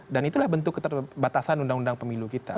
dan itulah bentuk batasan undang undang pemilu kita